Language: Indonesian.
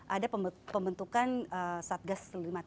ada pembentukan satgas lima puluh tiga